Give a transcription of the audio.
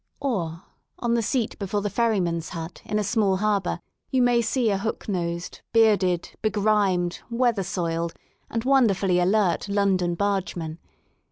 Or, on the seat before the ferryman's hut in a small harbour you may see a hook nosed, bearded, begrimed, weather soiled and wonderfully alert London barge man.